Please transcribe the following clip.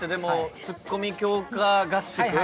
「＃ツッコミ強化合宿」？